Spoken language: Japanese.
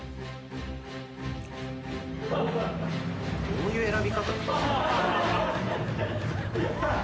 どういう選び方？